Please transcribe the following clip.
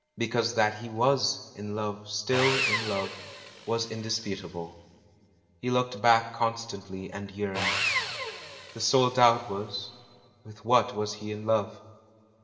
Because that he was in love, still in love, was indisputable ; he looked back constantly and yearned. The sole doubt was, with what was he in love?